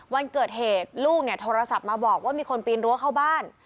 วันเกิดเหตุลูกเนี่ยโทรศัพท์มาบอกว่ามีคนปีนรั้วเข้าบ้าน